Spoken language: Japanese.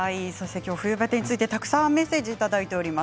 今日、冬バテについてたくさんメッセージいただいております。